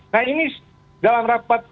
nah ini dalam rapat